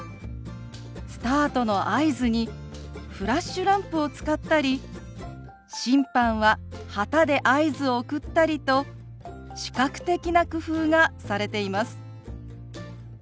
スタートの合図にフラッシュランプを使ったり審判は旗で合図を送ったりと視覚的な工夫がされています。